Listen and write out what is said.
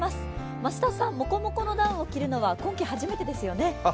増田さん、もこもこのダウンを着るのは今季初めてですよね。